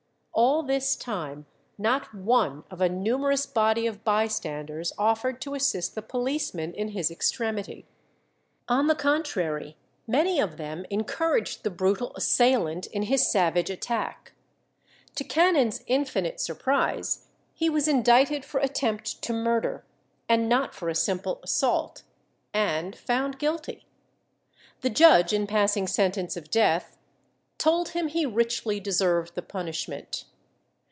All this time not one of a numerous body of bystanders offered to assist the policeman in his extremity. On the contrary, many of them encouraged the brutal assailant in his savage attack. To Cannon's infinite surprise, he was indicted for attempt to murder, and not for a simple assault, and found guilty. The judge, in passing sentence of death, told him he richly deserved the punishment.